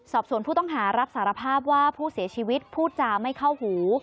สอบส่วนผู้ต้องหารับสารภาพว่าผู้เสียชีวิตพูดจาไม่เข้าหู